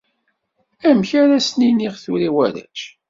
Amek ara sen-iniɣ tura i warrac?